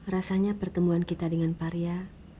rasanya pertemuan kita dengan paria